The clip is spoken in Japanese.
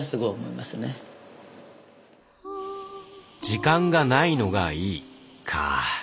「時間が無いのがいい」かぁ。